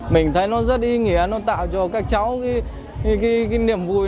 mình thấy nó rất ý nghĩa nó tạo cho các cháu cái niềm vui